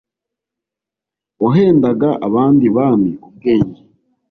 wahendaga abandi bami ubwenge,